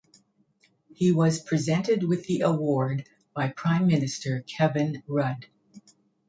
He was presented with the award by Prime Minister Kevin Rudd.